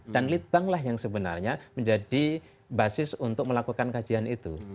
dan lead bank lah yang sebenarnya menjadi basis untuk melakukan kajian itu